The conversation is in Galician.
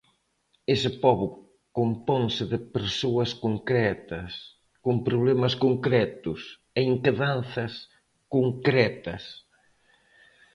Ese pobo componse de persoas concretas, con problemas concretos e inquedanzas concretas.